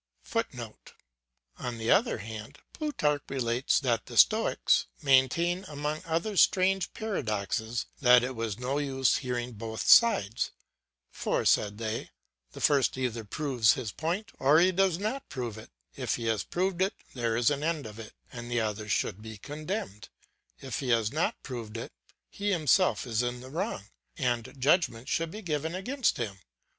[Footnote: On the other hand, Plutarch relates that the Stoics maintained, among other strange paradoxes, that it was no use hearing both sides; for, said they, the first either proves his point or he does not prove it; if he has proved it, there is an end of it, and the other should be condemned: if he has not proved it, he himself is in the wrong and judgment should be given against him.